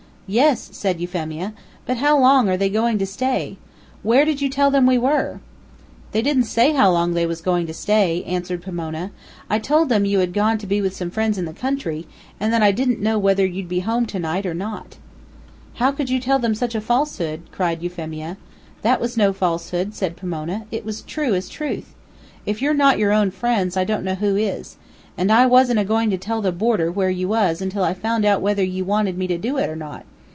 "Yes," said Euphemia; "but how long are they going to stay? Where did you tell them we were?" "They didn't say how long they was goin' to stay," answered Pomona. "I told them you had gone to be with some friends in the country, and that I didn't know whether you'd be home to night or not." "How could you tell them such a falsehood?" cried Euphemia. "That was no falsehood," said Pomona; "it was true as truth. If you're not your own friends, I don't know who is. And I wasn't a goin' to tell the boarder where you was till I found out whether you wanted me to do it or not.